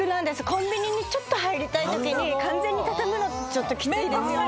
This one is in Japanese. コンビニにちょっと入りたい時に完全に畳むのってちょっときついですよね